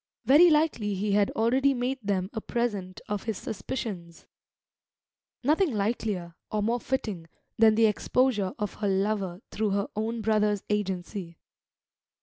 Very likely he had already made them a present of his suspicions; nothing likelier, or more fitting, than the exposure of her "lover" through her own brother's agency.